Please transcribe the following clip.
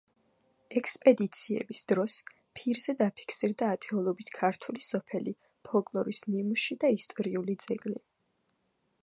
ექსპედიციების დროს ფირზე დაფიქსირდა ათეულობით ქართული სოფელი, ფოლკლორის ნიმუში და ისტორიული ძეგლი.